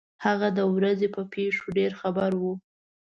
هغه د ورځې په پېښو ډېر خبر وو.